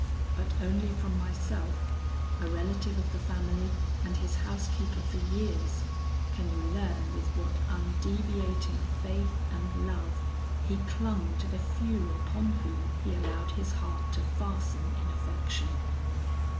But only from myself, a relative of the family and his housekeeper for years, can you learn with what undeviating faith and love he clung to the few upon whom he allowed his heart to fasten in affection.